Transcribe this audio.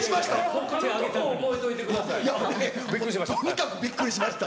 ほかのこと覚えといてくださびっくりしました。